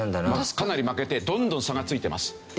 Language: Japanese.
かなり負けてどんどん差がついてます。